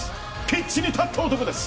ピッチに立った男です！